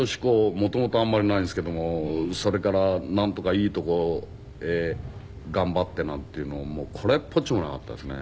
元々あんまりないんですけどもそれからなんとかいいとこ頑張ってなんていうのもこれっぽっちもなかったですね。